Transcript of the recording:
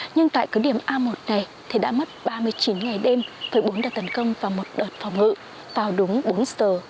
nhưng tại cứ điểm a một này thì đã mất ba mươi chín ngày đêm với bốn đợt tấn công và một đợt phòng ngự vào đúng bốn giờ